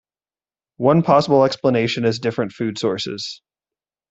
One possible explanation is different food sources.